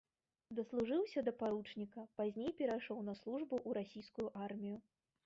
Даслужыўся да паручніка, пазней перайшоў на службу ў расійскую армію.